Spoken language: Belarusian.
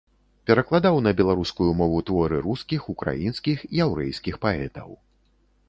Перакладаў на беларускую мову творы рускіх, украінскіх, яўрэйскіх паэтаў.